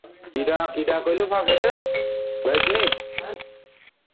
Apu US যাচ্ছেন।